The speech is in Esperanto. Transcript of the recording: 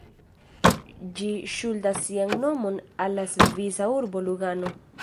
Ĝi ŝuldas sian nomon al la svisa urbo Lugano.